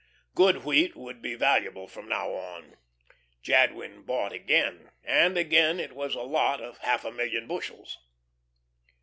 Good wheat would be valuable from now on. Jadwin bought again, and again it was a "lot" of half a million bushels.